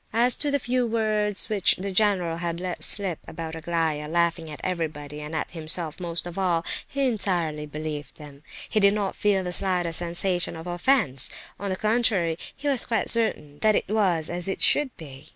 As to the few words which the general had let slip about Aglaya laughing at everybody, and at himself most of all—he entirely believed them. He did not feel the slightest sensation of offence; on the contrary, he was quite certain that it was as it should be.